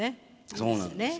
そうなんですよ。